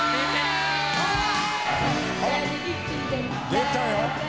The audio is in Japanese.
出たよ。